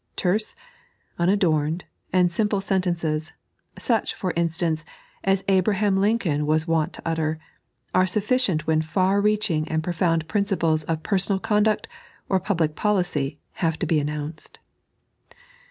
Terse, unadorned, and simple sentences — such, for instance, as Abraham Lincoln was wont to utter — are sufficient when far reaching and profound principles of personal eon duct or public policy have to be announced.